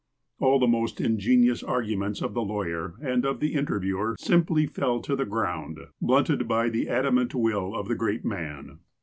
All the most ingenious arguments of the lawyer and of the interviewer simply fell to the ground, blunted by the adamant will of the great man.